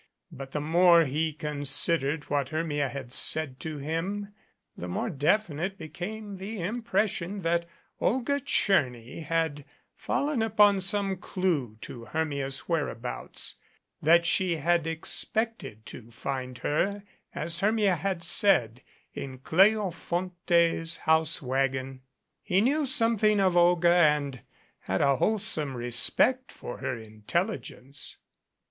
But the more he considered what Hermia had said to him, the more definite became the impression that Olga Tcherny had fallen upon some clew to Hermia's where abouts that she had expected to find her as Hermia had said in Cleofonte's house wagon. He knew some thing of Olga and had a wholesome respect for her intel ligence.